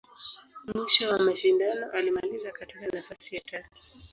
Mwisho wa mashindano, alimaliza katika nafasi ya tatu.